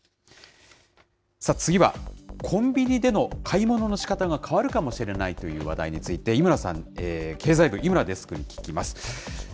さあ、次は、コンビニでの買い物のしかたが変わるかもしれないという話題について、井村さん、経済部、井村デスクに聞きます。